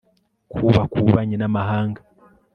kubaka ububanyi n'amahanga